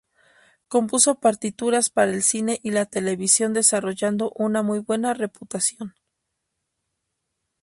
Compuso partituras para el cine y la televisión desarrollando una muy buena reputación.